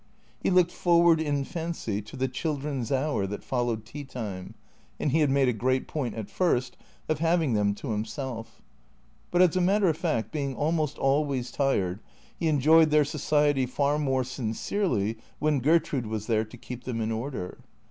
He looked for ward, in fancy, to the children's hour that followed tea time, and he had made a great point at first of having them to himself. But as a matter of fact, being almost always tired, he enjoyed their society far more sincerely when Gertrude was there to keep them in order.